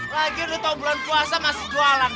lagir lo tahun bulan puasa masih jualan